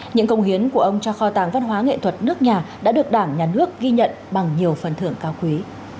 những công hiến của ông cho kho tàng văn hóa nghệ thuật nước nhà đã được đảng nhà nước ghi nhận bằng nhiều phần thưởng cao quý